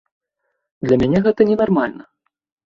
Для мяне гэта ненармальна.